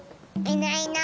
いない。